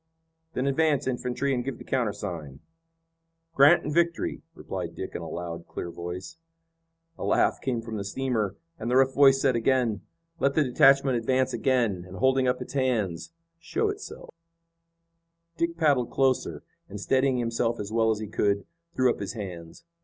"Then advance infantry and give the countersign." "Grant and Victory," replied Dick in a loud, clear voice. A laugh came from the steamer, and the rough voice said again: "Let the detachment advance again, and holding up its hands, show itself." Dick paddled closer and, steadying himself as well as he could, threw up his hands.